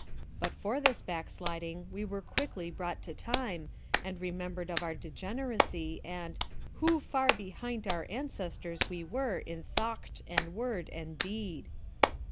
But for this backsliding we were quickly brought to time, and reminded of our degeneracy, and 'hoo far behint our ancestors we were in thocht, an' word, an' deed.'